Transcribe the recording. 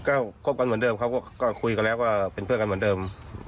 ก็คบกันเหมือนเดิมเขาก็คุยกันแล้วก็เป็นเพื่อนกันเหมือนเดิม